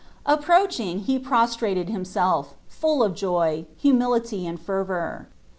Approaching, he prostrated himself, full of joy, humility, and fervour.